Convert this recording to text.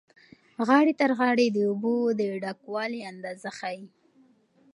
غاړې تر غاړې د اوبو د ډکوالي اندازه ښیي.